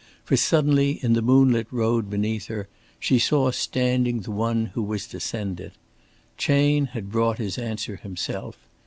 For suddenly in the moonlit road beneath her, she saw standing the one who was to send it. Chayne had brought his answer himself.